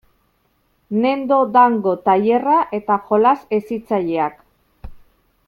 Nendo Dango tailerra eta jolas hezitzaileak.